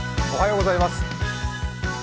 おはようございます。